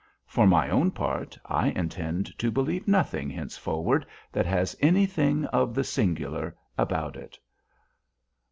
For my own part, I intend to believe nothing henceforward that has anything of the 'singular' about it."